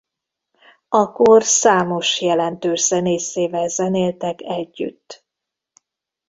A kor számos jelentős zenészével zenéltek együtt.